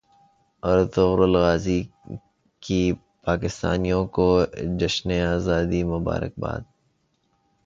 Ertugrul غازی کی پاکستانیوں کو جشن زادی کی مبارکباد